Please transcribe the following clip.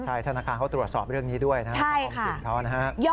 ใช่ธนคารเขาตรวจสอบเรื่องนี้ด้วยนะครับ